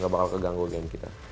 gak bakal keganggu game kita